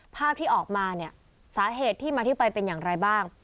ภาพที่ออกมาเนี่ยสาเหตุที่มาที่ไปเป็นอย่างไรบ้าง